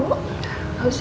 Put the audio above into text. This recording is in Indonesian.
gak usah mirna gak apa apa